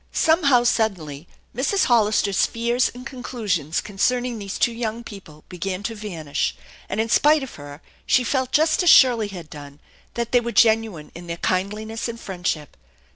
Somehow, suddenly, Mrs. Hollister's fears and conclusions concerning these two young people began to vanish, and in spite of her she felt just as Shirley had done, that they were genuine in their kindliness and friendship.